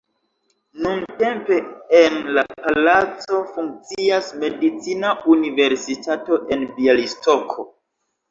Nuntempe en la palaco funkcias Medicina Universitato en Bjalistoko.